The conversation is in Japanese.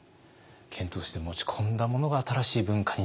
遣唐使で持ち込んだものが新しい文化になり。